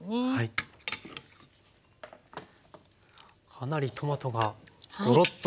かなりトマトがゴロッと。